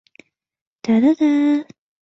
棒花碘泡虫为碘泡科碘泡虫属的动物。